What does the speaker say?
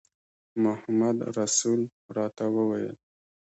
محمدرسول راته وویل.